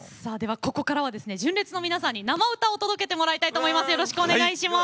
ここからは純烈の皆さんに生歌を届けてもらいたいと思います。